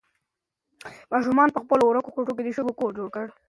ماشوم په خپلو وړوکو ګوتو د شګو کور جوړ کړ.